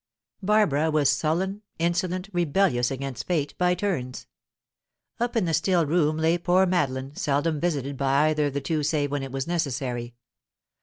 Barbara was sullen, insolent, rebellious against fate, by turns. Up in the still room lay poor Madeline, seldom visited by either of the two save when it was necessary.